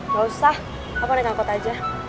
gak usah aku nengangkot aja